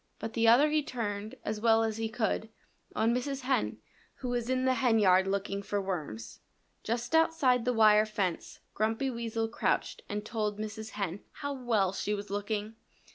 But the other he turned, as well as he could, on Mrs. Hen, who was in the henyard looking for worms. Just outside the wire fence Grumpy Weasel crouched and told Mrs. Hen how well she was looking.